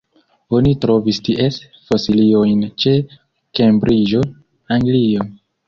Oni trovis ties fosiliojn ĉe Kembriĝo, Anglio.